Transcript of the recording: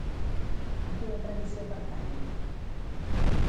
A quina tradició pertanyen?